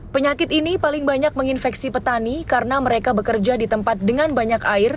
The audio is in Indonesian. penyakit ini paling banyak menginfeksi petani karena mereka bekerja di tempat dengan banyak air